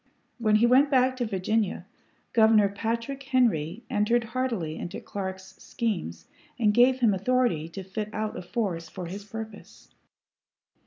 When he went back to Virginia, Governor Patrick Henry entered heartily into Clark's schemes and gave him authority to fit out a force for his purpose.